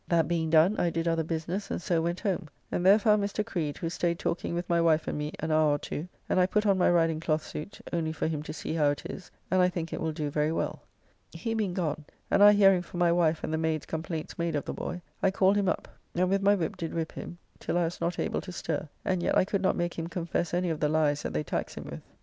That being done, I did other business and so went home, and there found Mr. Creed, who staid talking with my wife and me an hour or two, and I put on my riding cloth suit, only for him to see how it is, and I think it will do very well. He being gone, and I hearing from my wife and the maids' complaints made of the boy, I called him up, and with my whip did whip him till I was not able to stir, and yet I could not make him confess any of the lies that they tax him with.